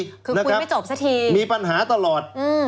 คือคุยไม่จบซะทีมีปัญหาตลอดอืม